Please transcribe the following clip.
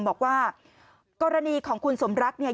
บอกว่ากรณีของคุณสมรักเนี่ย